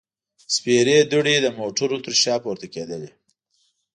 سپېرې دوړې د موټرو تر شا پورته کېدلې.